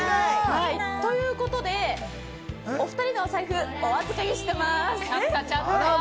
ということでお二人の財布をお預かりしています。